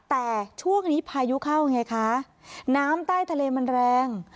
แต่ช่วงนี้พายุเข้าไงคะน้ำใต้ทะเลมันแรง